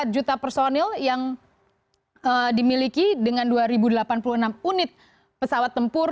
empat juta personil yang dimiliki dengan dua delapan puluh enam unit pesawat tempur